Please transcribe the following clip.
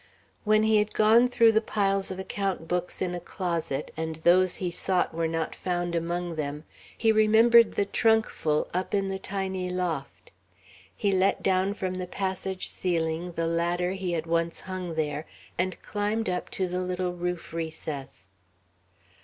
When he had gone through the piles of account books in a closet and those he sought were not found among them, he remembered the trunkful up in the tiny loft. He let down from the passage ceiling the ladder he had once hung there, and climbed up to the little roof recess.